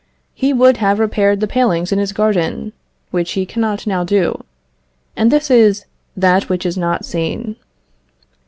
He would have repaired the palings in his garden, which he cannot now do, and this is that which is not seen.